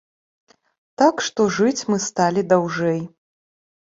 Так што жыць мы сталі даўжэй.